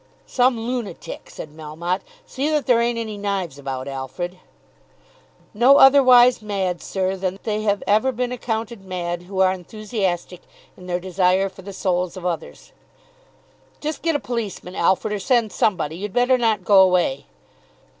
"Some lunatic," said Melmotte. "See that there ain't any knives about, Alfred." "No otherwise mad, sir, than they have ever been accounted mad who are enthusiastic in their desire for the souls of others." "Just get a policeman, Alfred. Or send somebody; you'd better not go away."